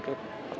chú với lại